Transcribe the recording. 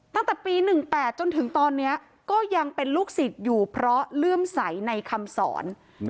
ตั้งแต่ปี๑๘จนถึงตอนนี้ก็ยังเป็นลูกศิษย์อยู่เพราะเลื่อมใสในคำสอน